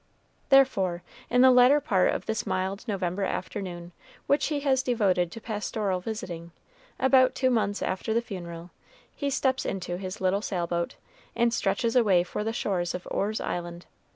Therefore, in the latter part of this mild November afternoon, which he has devoted to pastoral visiting, about two months after the funeral, he steps into his little sail boat, and stretches away for the shores of Orr's Island.